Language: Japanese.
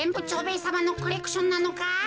蝶兵衛さまのコレクションなのか？